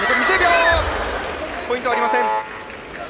ポイントはありません。